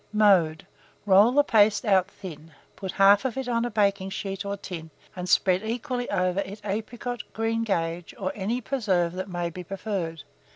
Mode. Roll the paste out thin; put half of it on a baking sheet or tin, and spread equally over it apricot, greengage, or any preserve that may be preferred.